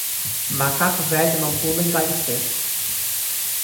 Macaco velho não pula em galho seco.